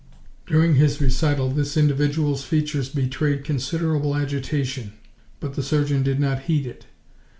During his recital this individual's features betrayed considerable agitation, but the surgeon did not heed it.